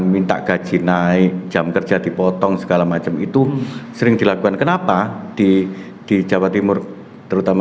minta gaji naik jam kerja dipotong segala macam itu sering dilakukan kenapa di di jawa timur terutama